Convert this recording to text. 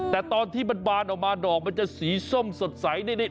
แต่ตอนที่มันบานออกมาดอกมันจะสีส้มสดใสนี่